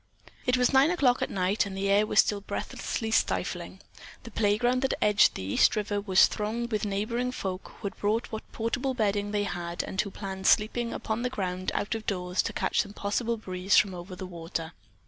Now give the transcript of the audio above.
It was nine o'clock at night and the air was still breathlessly stifling. The playground that edged the East River was thronged with neighboring folk who had brought what portable bedding they had and who planned sleeping upon the ground out of doors to catch some possible breeze from over the water.